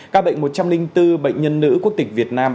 ca bệnh một trăm linh bốn bệnh nhân nữ quốc tịch việt nam